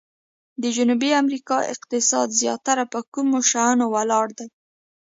د جنوبي امریکا اقتصاد زیاتره په کومو شیانو ولاړ دی؟